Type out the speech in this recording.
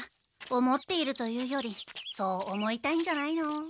思っているというよりそう思いたいんじゃないの？